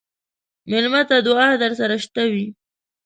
مېلمه ته دعا درسره شته وي.